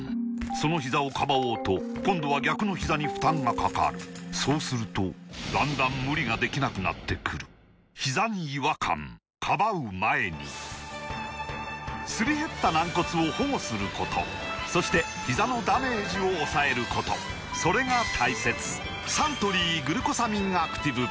そのひざをかばおうと今度は逆のひざに負担がかかるそうするとだんだん無理ができなくなってくるすり減った軟骨を保護することそしてひざのダメージを抑えることそれが大切サントリー「グルコサミンアクティブ」